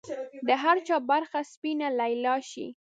د هر چا برخه سپینه لیلا شي